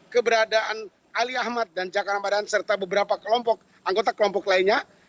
keberadaan ali ahmad dan jaka ramadhan serta beberapa kelompok anggota kelompok lainnya